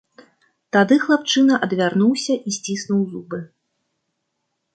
Тады хлапчына адвярнуўся і сціснуў зубы.